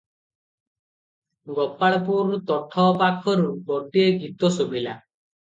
ଗୋପାଳପୁର ତୋଠପାଖରୁ ଗୋଟାଏ ଗୀତ ଶୁଭିଲା -